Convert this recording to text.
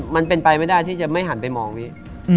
มันเป็นไปไม่ได้ที่จะไม่หันไปมองพี่